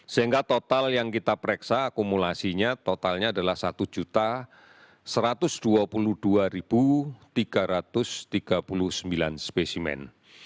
sehingga total yang kita pereksa akumulasinya totalnya adalah satu satu ratus dua puluh dua tiga ratus tiga puluh sembilan spesimen